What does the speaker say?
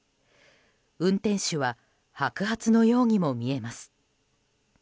運転手は白髪のようにも見えます。